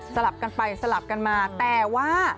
สลับกันไปสลับมา